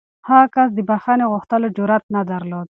هغه کس د بښنې غوښتلو جرات نه درلود.